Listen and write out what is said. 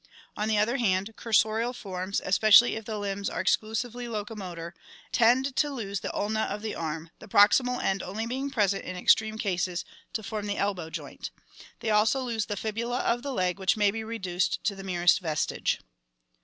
On the other hand, cursorial forms, es pecially if the limbs are exclusively locomotor, tend to lose the ulna of the arm, the proximal end only being present in extreme cases to form the elbow joint. They also lose the fibula of the leg, which may be reduced to the merest vestige.